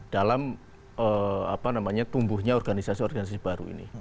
dalam tumbuhnya organisasi organisasi baru ini